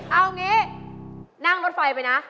เอาอย่างนี้นั่งรถไฟไปนะ